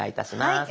はい。